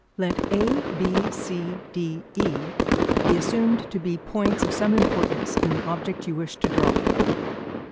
Let A B C D E be assumed to be points of some importance in an object you wish to draw.